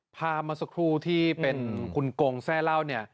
ภาพมาสักครู่ที่เป็นคุณกงแซ่เหล้า